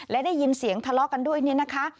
และได้ยินเสียงทะเลาะกันด้วยเนี่ยนะคะ